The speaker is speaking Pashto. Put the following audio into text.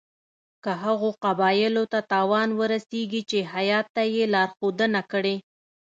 که هغو قبایلو ته تاوان ورسیږي چې هیات ته یې لارښودنه کړې.